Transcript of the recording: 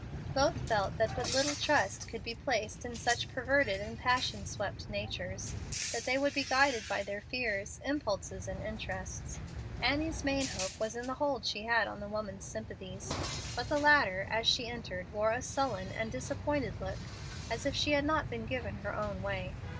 Both felt that but little trust could be placed in such perverted and passion swept natures that they would be guided by their fears, impulses, and interests. Annie's main hope was in the hold she had on the woman's sympathies; but the latter, as she entered, wore a sullen and disappointed look, as if she had not been given her own way.